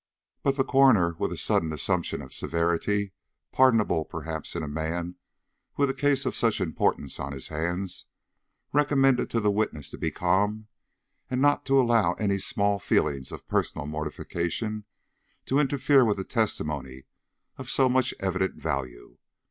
But the coroner, with a sudden assumption of severity, pardonable, perhaps, in a man with a case of such importance on his hands, recommended the witness to be calm and not to allow any small feelings of personal mortification to interfere with a testimony of so much evident value.